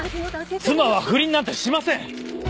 妻は不倫なんてしません！